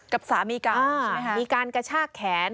กับสามีเก่าใช่ไหมคะอ้าวมีการกระชากแขน